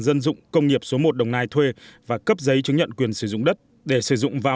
dân dụng công nghiệp số một đồng nai thuê và cấp giấy chứng nhận quyền sử dụng đất để sử dụng và